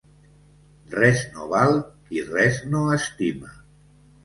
Res no val qui res no estima.